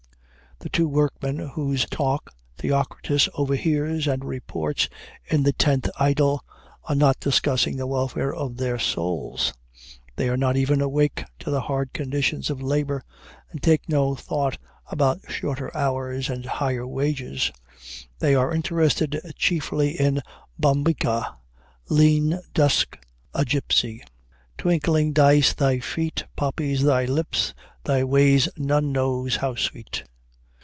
The two workmen whose talk Theocritus overhears and reports in the Tenth Idyll are not discussing the welfare of their souls; they are not even awake to the hard conditions of labor, and take no thought about shorter hours and higher wages: they are interested chiefly in Bombyca, "lean, dusk, a gypsy," " ...twinkling dice thy feet, Poppies thy lips, thy ways none knows how sweet!"